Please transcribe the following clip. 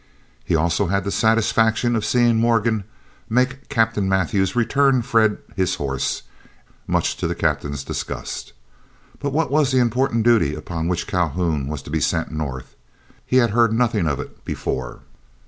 He also had the satisfaction of seeing Morgan make Captain Mathews return Fred his horse, much to the Captain's disgust. But what was the important duty upon which Calhoun was to be sent North? He had heard nothing of it before.